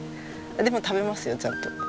でも食べますよちゃんと。